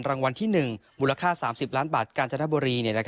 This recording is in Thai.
รางวัลที่๑มูลค่า๓๐ล้านบาทกาญจนบุรี